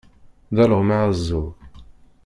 D alɣem aɛeẓẓug.